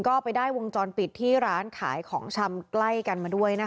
ก็ไปได้วงจรปิดที่ร้านขายของชำใกล้กันมาด้วยนะคะ